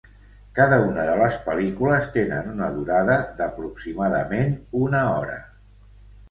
Cada una de les pel·lícules tenen una durada d'aproximadament una hora.